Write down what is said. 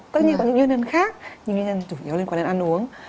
tất nhiên có những nguyên nhân khác những nguyên nhân chủ yếu liên quan đến ăn uống